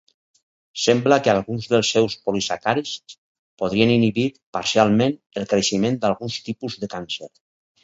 Sembla que alguns dels seus polisacàrids podrien inhibir, parcialment, el creixement d'alguns tipus de càncers.